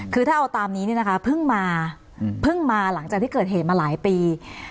คือถ้าเอาตามนี้นะคะเพิ่งมาหลังจากที่เกิดเหตุมาหลายปี